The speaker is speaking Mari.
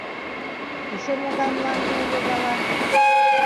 Эше могай мланде уло гала?..